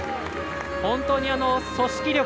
本当に組織力